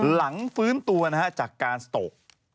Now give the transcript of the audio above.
หลังฟื้นตัวนะครับจากการโตรก